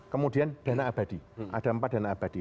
kemudian dana abadi ada empat dana abadi